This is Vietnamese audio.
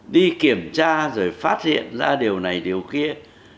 đi kiểm tra rồi phát hiện ra điều này điều kia